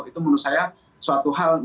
itu menurut saya suatu hal